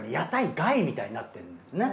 街みたいになってるんですね。